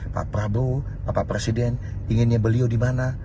pak prabowo bapak presiden inginnya beliau di mana